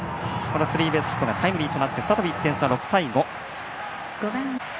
スリーベースヒットがタイムリーとなって再び１点差、６対５。